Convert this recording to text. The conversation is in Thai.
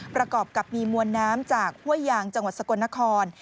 ประกอบกับมีมวลน้ำจากห้วยยางจังหวัดสกลนคร